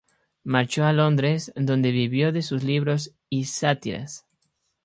Marchó a Londres, donde vivió de sus libros y sátiras.